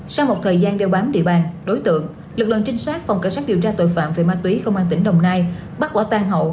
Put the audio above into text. sau một thời gian đeo bám địa bàn đối tượng lực lượng trinh sát phòng cảnh sát điều tra tội phạm về ma túy công an tỉnh đồng nai bắt quả tan hậu